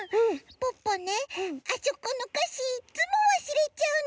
ポッポねあそこのかしいっつもわすれちゃうの。